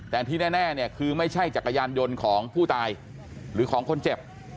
แต่ที่แน่เนี่ยคือไม่ใช่จักรยานยนต์ของผู้ตายหรือของคนเจ็บ